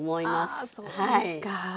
あそうですか。